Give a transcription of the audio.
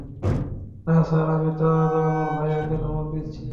না স্যার, আমি তো আমার ভাইয়াকে ধমক দিছি।